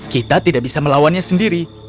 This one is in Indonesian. kita tidak bisa melawannya sendiri